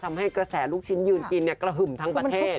ทำให้กระแสลูกชิ้นยืนกินกระหึ่มทั้งประเทศ